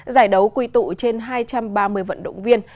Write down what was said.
giải đấu quy tụ trên hai trăm ba mươi vận động viên